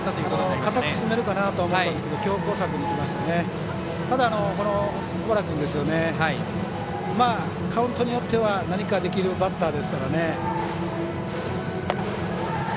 堅く進めるかなとは思ったんですが強攻策にいきましたね、小原君はカウントによっては何かできるバッターですね。